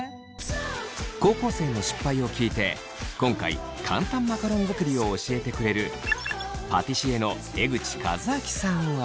高校生の失敗を聞いて今回簡単マカロン作りを教えてくれるパティシエの江口和明さんは。